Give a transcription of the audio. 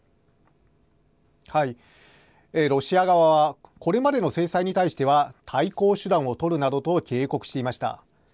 ロシア側はこれまでの制裁に対しては対抗手段をとるなど警告していました。